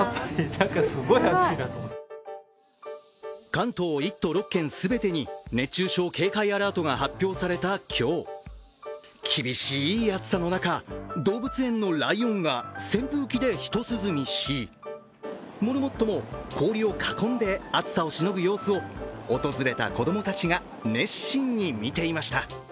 関東１都６県全てに熱中症警戒アラートが発表された今日、厳しい暑さの中、動物園のライオンが扇風機でひと涼みし、モルモットも、氷を囲んで暑さをしのぐ様子を訪れた子供たちが熱心に見ていました。